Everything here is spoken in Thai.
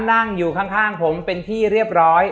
นั่งอยู่ข้างผมเป็นที่เรียบร้อย